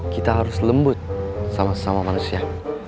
kita harus lembut sama sama manusia